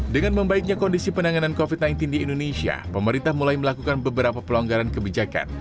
dengan membaiknya kondisi penanganan covid sembilan belas di indonesia pemerintah mulai melakukan beberapa pelonggaran kebijakan